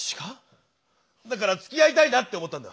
だからつきあいたいなって思ったんだ。